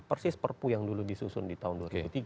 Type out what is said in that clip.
persis perpu yang dulu disusun di tahun dua ribu tiga